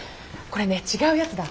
これね違うやつだ。